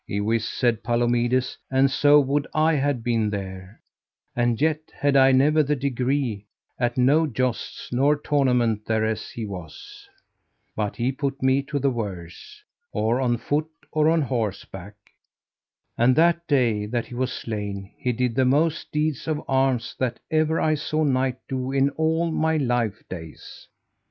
Iwis, said Palomides, and so would I had been there, and yet had I never the degree at no jousts nor tournament thereas he was, but he put me to the worse, or on foot or on horseback; and that day that he was slain he did the most deeds of arms that ever I saw knight do in all my life days.